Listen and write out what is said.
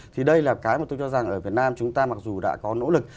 thì đây là cái mà tôi cho rằng ở việt nam chúng ta mặc dù đã có nỗ lực